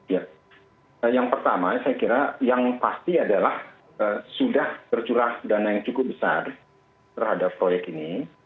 ya yang pertama saya kira yang pasti adalah sudah tercurah dana yang cukup besar terhadap proyek ini